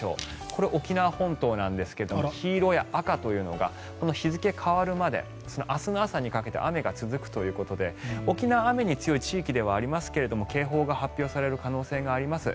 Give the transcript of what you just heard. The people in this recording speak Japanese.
これは沖縄本島なんですが黄色や赤というのが日付が変わるまで明日の朝にかけて雨が続くということで沖縄は雨に強い地域ではありますが警報が発表される可能性があります。